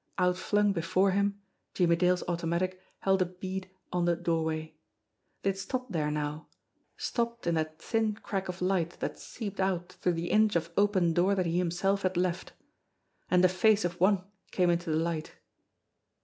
Outflung before him, Jimmie Dale's automatic held a bead on the doorway. They had stopped there now, stopped in that thin crack of light that seeped out through the inch of open door that he himself had left. And the face of one came into the light.